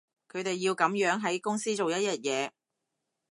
佢哋要噉樣喺公司做一日嘢